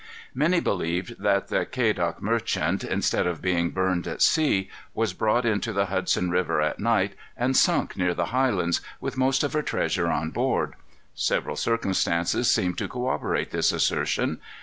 Many believed that the Quedagh Merchant, instead of being burned at sea, was brought into the Hudson River at night, and sunk near the Highlands, with most of her treasure on board. Several circumstances seemed to corroborate this assertion.